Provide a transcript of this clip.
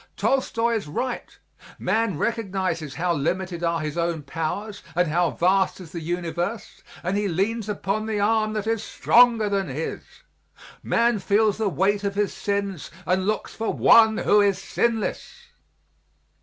Tolstoy is right; man recognizes how limited are his own powers and how vast is the universe, and he leans upon the arm that is stronger than his. Man feels the weight of his sins and looks for One who is sinless.